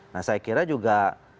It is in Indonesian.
nah saya kira juga